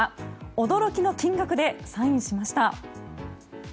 驚きの金額でサインしました。